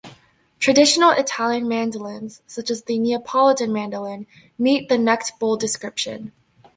Traditional Italian mandolins, such as the Neapolitan mandolin, meet the necked bowl description.